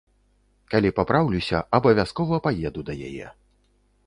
Калі папраўлюся, абавязкова паеду да яе.